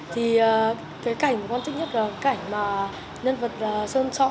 thì cái cảnh của con thích nhất là cảnh mà nhân vật sơn cho